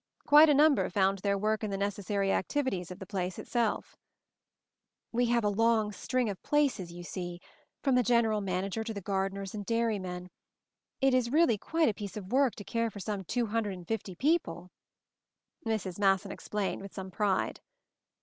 Quite a number found their work in the necessary activities of the place itself. "We have a long string of places, you see — from the general manager to the garden MOVING THE MOUNTAIN 155 ers and dairymen. It is really quite a piece of work, to care for some two hundred and fifty people," Mrs. Masson explained with some pride.